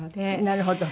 なるほど。